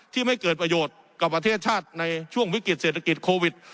ไม่เกิดประโยชน์กับประเทศชาติในช่วงวิกฤตเศรษฐกิจโควิด